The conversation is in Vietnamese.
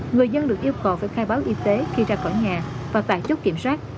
người dân được yêu cầu phải khai báo y tế khi ra khỏi nhà và tại chốt kiểm soát